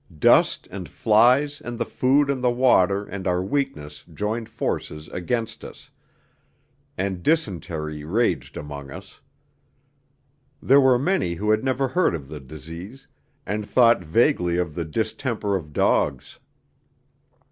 Dust and flies and the food and the water and our weakness joined forces against us, and dysentery raged among us. There were many who had never heard of the disease, and thought vaguely of the distemper of dogs.